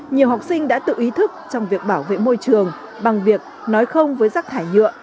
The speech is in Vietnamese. nhiều học sinh đã tự ý thức trong việc bảo vệ môi trường bằng việc nói không với rác thải nhựa